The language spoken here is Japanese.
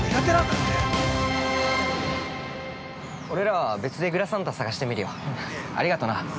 俺らは別でグラサンタ探してみるよ。ありがとな。